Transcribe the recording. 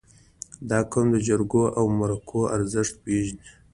• دا قوم د جرګو او مرکو ارزښت پېژني.